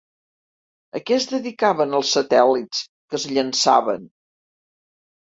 A què es dedicaven els satèl·lits que es llançaven?